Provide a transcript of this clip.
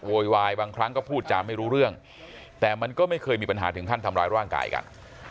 โวยวายบางครั้งก็พูดจาไม่รู้เรื่องแต่มันก็ไม่เคยมีปัญหาถึงขั้นทำร้ายร่างกายกัน